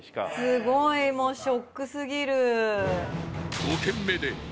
すごいもうショックすぎる。